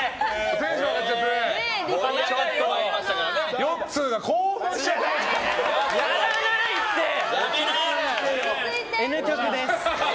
テンション上がっちゃってね。